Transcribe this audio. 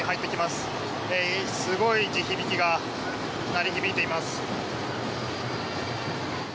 すごい地響きが鳴り響いています。